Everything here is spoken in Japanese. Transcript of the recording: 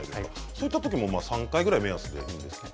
そういったときも３回ぐらいが目安ですか？